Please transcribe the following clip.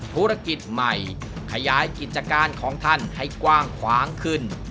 ธุรกิจใหม่ขยายกิจการของท่านให้กว้างขวางขึ้น